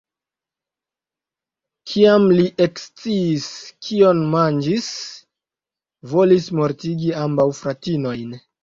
Kiam li eksciis kion manĝis, volis mortigi ambaŭ fratinojn.